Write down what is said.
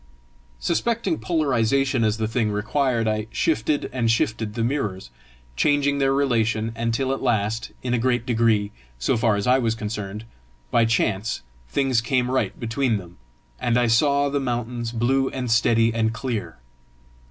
Suspecting polarisation as the thing required, I shifted and shifted the mirrors, changing their relation, until at last, in a great degree, so far as I was concerned, by chance, things came right between them, and I saw the mountains blue and steady and clear.